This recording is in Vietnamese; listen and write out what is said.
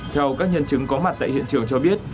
theo các nhân chứng có mặt tại hiện trường cho biết